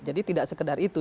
jadi tidak sekedar itu